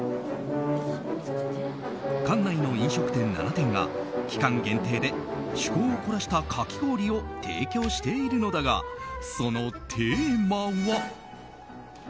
館内の飲食店７店が期間限定で趣向を凝らしたかき氷を提供しているのだがそのテーマは。